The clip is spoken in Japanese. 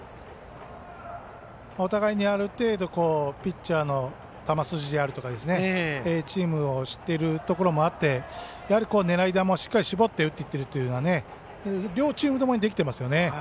お互いにある程度ピッチャーの球筋であるとかチームを知っているところもあって狙い球をしっかり絞って打っていっているというのが両チームともにできてますよね。